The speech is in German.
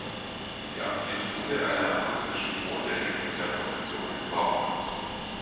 Die Amplitude einer akustischen Mode hängt von der Position im Raum ab.